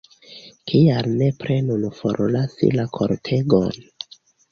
Kial nepre nun forlasi la kortegon?